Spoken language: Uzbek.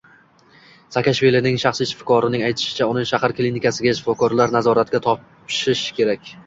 Saakashvilining shaxsiy shifokorining aytishicha, uni shahar klinikasiga, shifokorlar nazoratiga topshish kerak